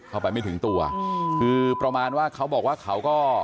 เข้าไปไม่ถึงตัวประมาณว่าเขาบอกว่าเขาก็